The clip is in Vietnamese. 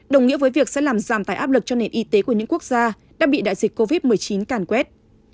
đồng nghĩa với việc sẽ làm giảm tài áp lực cho nền y tế của những quốc gia đang bị đại dịch covid một mươi chín càn quét